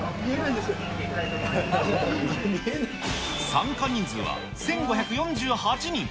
参加人数は１５４８人。